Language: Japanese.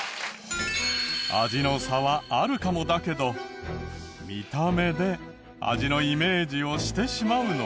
味の差はあるかもだけど見た目で味のイメージをしてしまうのかも。